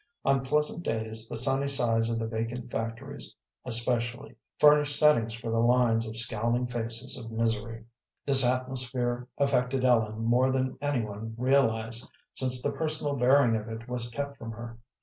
On pleasant days the sunny sides of the vacant factories, especially, furnished settings for lines of scowling faces of misery. This atmosphere affected Ellen more than any one realized, since the personal bearing of it was kept from her.